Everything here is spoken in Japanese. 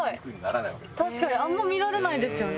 確かにあんま見られないですよね。